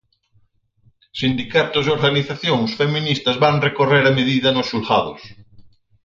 Sindicatos e organizacións feministas van recorrer a medida nos xulgados.